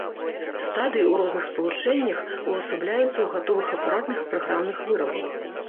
Стадыі ў розных спалучэннях увасабляюцца ў гатовых апаратных і праграмных вырабах.